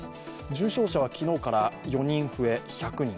重症者は昨日から４人増え１００人。